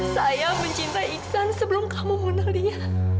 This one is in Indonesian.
saya mencintai iksan sebelum kamu mengenal dia